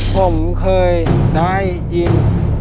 ผมเคยได้ยิน